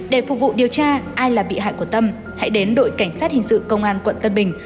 để phục vụ điều tra ai là bị hại của tâm hãy đến đội cảnh sát hình sự công an quận tân bình